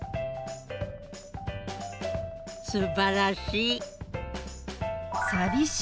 すばらしい。